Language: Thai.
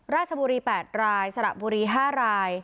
ราชบุรี๘รายสระบุรี๕ราย